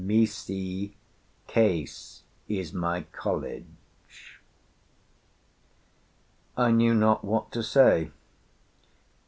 Misi, Case is my college.' "I knew not what to say.